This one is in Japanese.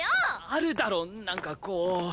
あるだろなんかこう。